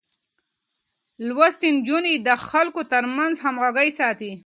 لوستې نجونې د خلکو ترمنځ همغږي ساتي.